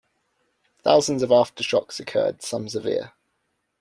Thousands of aftershocks occurred, some severe.